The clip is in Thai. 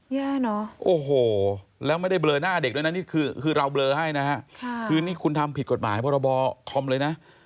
แย่เนอะโอ้โหแล้วไม่ได้เบลอหน้าเด็กด้วยนะนี่คือเราเบลอให้นะฮะคือนี่คุณทำผิดกฎหมายพรบคอมเลยนะ